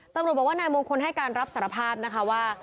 ตำรวจบอกว่านายมงคลให้การรับสารภาพนะคะว่า